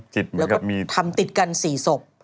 จิตเหมือนกับมีแล้วก็ทำติดกัน๔ศพ